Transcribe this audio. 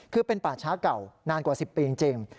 คือเป็นป่าช้าเก่านานกว่า๑๐ปีจริง